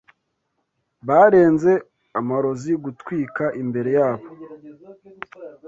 barenze amarozi Gutwika imbere yabo